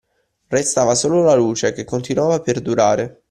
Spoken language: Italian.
Restava solo la luce, che continuava a perdurare